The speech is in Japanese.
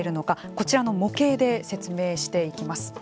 こちらの模型で説明していきます。